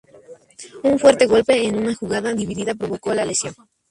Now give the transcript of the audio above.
Un fuerte golpe en una jugada dividida provocó la lesión.